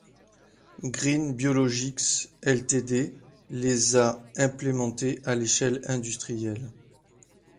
Green Biologics Ltd les a implémenté à l'échelle industrielle.